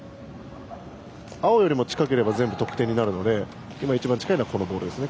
青よりも近ければ得点になるので今一番近いのはこのボールですね。